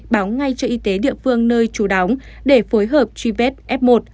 báo ngay cho y tế địa phương nơi trú đóng để phối hợp truy vết f một